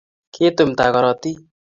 kitumda korotik